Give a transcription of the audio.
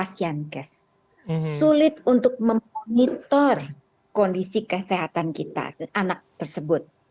sulit untuk memonitor kondisi kesehatan kita anak tersebut